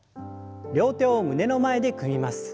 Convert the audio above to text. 両手を胸の前で組みます。